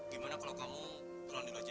gimana kalau kamu pulang dulu aja ya